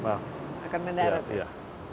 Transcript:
akan mendarat ya